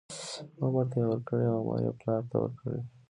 عمر ته یې ورکړې او عمر یې پلار ته ورکړې،